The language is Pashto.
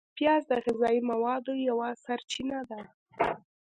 پیاز د غذایي موادو یوه سرچینه ده